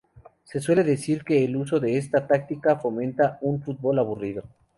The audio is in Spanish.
Se suele decir que el uso de esta táctica fomenta un fútbol aburrido.